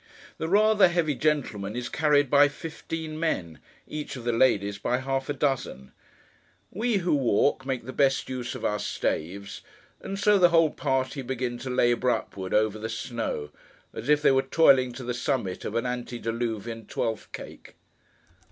The rather heavy gentleman is carried by fifteen men; each of the ladies by half a dozen. We who walk, make the best use of our staves; and so the whole party begin to labour upward over the snow,—as if they were toiling to the summit of an antediluvian Twelfth cake.